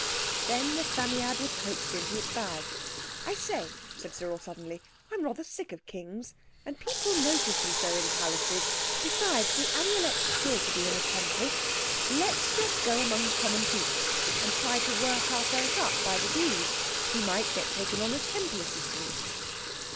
Then the Psammead was coaxed into its bag. "I say," said Cyril suddenly, "I'm rather sick of kings. And people notice you so in palaces. Besides the Amulet's sure to be in a Temple. Let's just go among the common people, and try to work ourselves up by degrees. We might get taken on as Temple assistants."